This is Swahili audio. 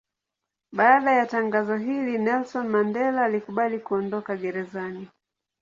Baada ya tangazo hili Nelson Mandela alikubali kuondoka gerezani.